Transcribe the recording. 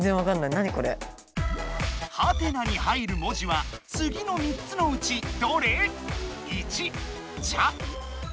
「？」に入る文字はつぎの３つのうちどれ？